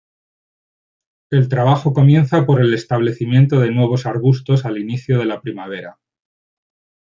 El trabajo comienza por el establecimiento de nuevos arbustos al inicio de la primavera.